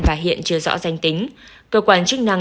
và hiện chưa rõ danh tính cơ quan chức năng